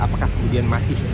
apakah kemudian masih